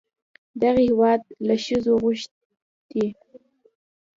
دغه هېواد له ښځو غوښتي